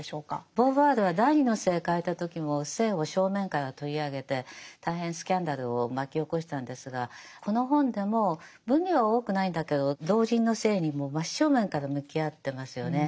ボーヴォワールは「第二の性」書いた時も性を正面から取り上げて大変スキャンダルを巻き起こしたんですがこの本でも分量は多くないんだけど老人の性にもう真正面から向き合ってますよね。